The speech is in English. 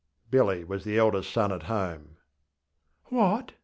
ŌĆÖ Billy was the eldest son at home. ŌĆśWhat?